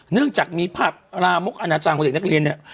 เนื่องจากมีภาพอาณาจารย์ลามกส่งของเด็กนักเรียนเนี่ย